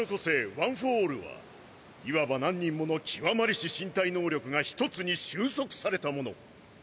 ワン・フォー・オールはいわば何人もの極まりし身体能力が１つに収束されたもの！